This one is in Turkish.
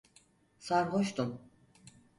Sarhoştun.